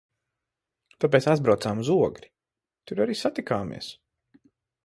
Tāpēc aizbraucām uz Ogri. Tur arī satikāmies.